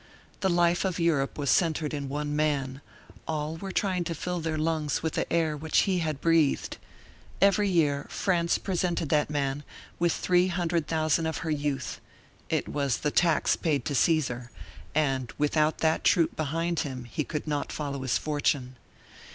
The life of Europe was centered in one man; all were trying to fill their lungs with the air which he had breathed. Every year France presented that man with three hundred thousand of her youth; it was the tax paid to Caesar, and, without that troop behind him, he could not follow his fortune.